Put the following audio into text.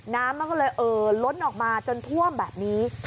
น้ำมันก็เลยเอ่อล้นออกมาจนท่วมแบบนี้